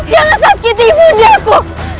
jangan sakiti ibu di aku